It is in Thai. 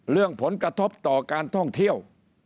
เรื่องผลกระทบต่อการท่องเที่ยว